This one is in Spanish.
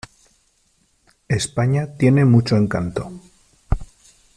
España tiene mucho encanto.